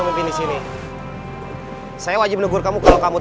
cura yam cura yam cura yam